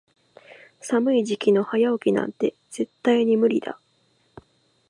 寒い時期の早起きなんて絶対に無理だ。